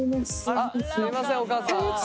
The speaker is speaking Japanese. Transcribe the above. あっすいませんお母さん。